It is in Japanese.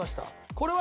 これは。